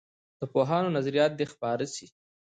د پوهانو نظریات دې خپاره سي.